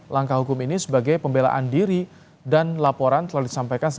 tetapi kami menghormati adanya penetapan ini